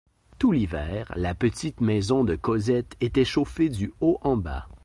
Tout l’hiver la petite maison de Cosette était chauffée du haut en bas.